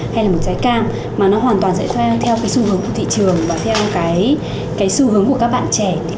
hay là một trái cam mà nó hoàn toàn sẽ theo cái xu hướng của thị trường và theo cái cái xu hướng của các bạn trẻ